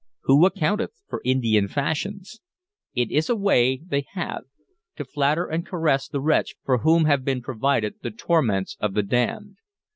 Who accounteth for Indian fashions? It is a way they have, to flatter and caress the wretch for whom have been provided the torments of the damned.